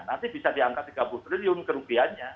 nanti bisa diangkat tiga puluh triliun kerugiannya